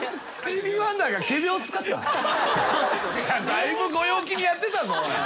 だいぶご陽気にやってたぞ。